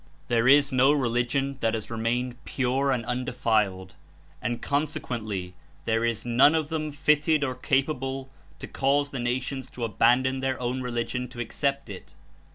There is no religion that has remained pure and undefiled, and consequently there is none of them fit ted or capable to cause the nations to abandon their own religion to accept It.